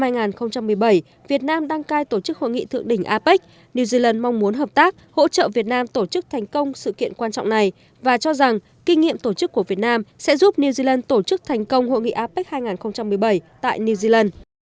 năm hai nghìn một mươi bảy việt nam đăng cai tổ chức hội nghị thượng đỉnh apec new zealand mong muốn hợp tác hỗ trợ việt nam tổ chức thành công sự kiện quan trọng này và cho rằng kinh nghiệm tổ chức của việt nam sẽ giúp new zealand tổ chức thành công hội nghị apec hai nghìn một mươi bảy tại new zealand